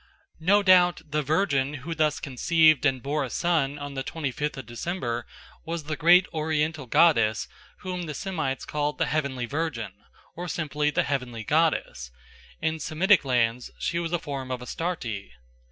No doubt the Virgin who thus conceived and bore a son on the twenty fifth of December was the great Oriental goddess whom the Semites called the Heavenly Virgin or simply the Heavenly Goddess; in Semitic lands she was a form of Astarte.